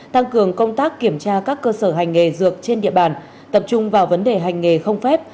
tăng cường công tác kiểm tra các cơ sở hành nghề dược trên địa bàn tập trung vào vấn đề hành nghề không phép